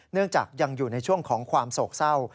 เนื่องจากยังอยู่ในช่วงของความโศกเศร้า